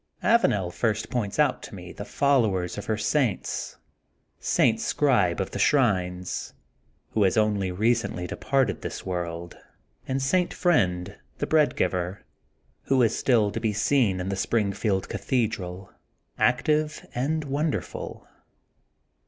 Avanel first points out to me the followers of her saints :— St. Scribe of the Shrines, who has only recently departed this world, and St. Friend, The Bread Giver, who is still to be seen in the Springfield Cathedral, active and wonderful.